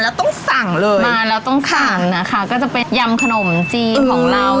แล้วต้องสั่งเลยมาแล้วต้องทานนะคะก็จะเป็นยำขนมจีนของเรา